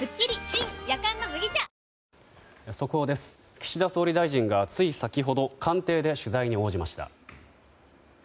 岸田総理大臣がつい先ほど官邸で取材に応じました。